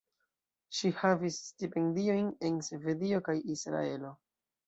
Ŝi havis stipendiojn en Svedio kaj Israelo.